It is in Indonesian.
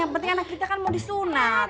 yang penting anak kita kan mau disunat